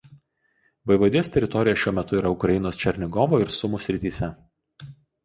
Vaivadijos teritorija šiuo metu yra Ukrainos Černigovo ir Sumų srityse.